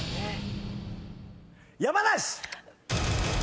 山梨！